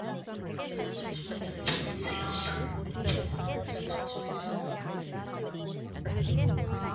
He attracted dozens of scholarship offers but chose the University of Michigan.